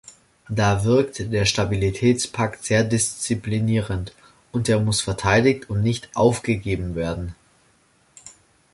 Da wirkt der Stabilitätspakt sehr disziplinierend, und er muss verteidigt und nicht aufgegeben werden.